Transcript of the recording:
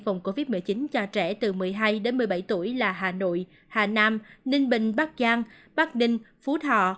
phòng covid một mươi chín cho trẻ từ một mươi hai đến một mươi bảy tuổi là hà nội hà nam ninh bình bắc giang bắc ninh phú thọ